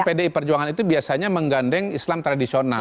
pdi perjuangan itu biasanya menggandeng islam tradisional